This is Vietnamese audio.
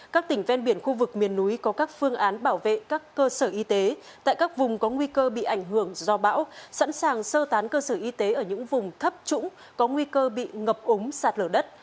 các tỉnh ven biển khu vực miền núi có các phương án bảo vệ các cơ sở y tế tại các vùng có nguy cơ bị ảnh hưởng do bão sẵn sàng sơ tán cơ sở y tế ở những vùng thấp trũng có nguy cơ bị ngập ống sạt lở đất